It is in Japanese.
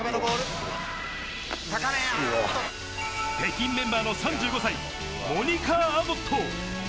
北京メンバーの３５歳モニカ・アボット。